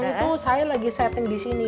itu saya lagi setting disini